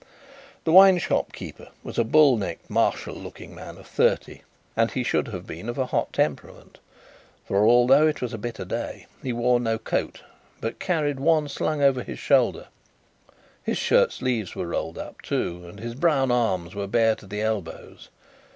This wine shop keeper was a bull necked, martial looking man of thirty, and he should have been of a hot temperament, for, although it was a bitter day, he wore no coat, but carried one slung over his shoulder. His shirt sleeves were rolled up, too, and his brown arms were bare to the elbows.